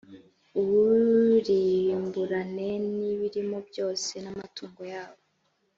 uwurimburane n’ibirimo byose, n’amatungo yabo